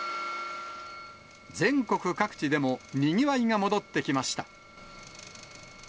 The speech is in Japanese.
全国各地でもにぎわいが戻ってきました。